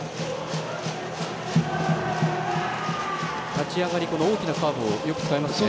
立ち上がり、大きなカーブをよく使いますね。